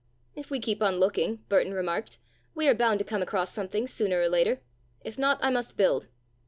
"If we keep on looking," Burton remarked, "we are bound to come across something sooner or later. If not, I must build."